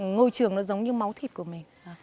ngôi trường nó giống như máu thịt của mình